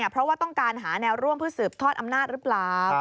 เพราะว่าต้องการหาแนวร่วมเพื่อสืบทอดอำนาจหรือเปล่า